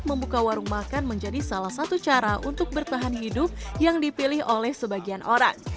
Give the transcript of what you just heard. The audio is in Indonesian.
membuka warung makan menjadi salah satu cara untuk bertahan hidup yang dipilih oleh sebagian orang